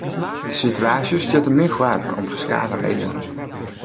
De situaasje stiet der min foar om ferskate redenen.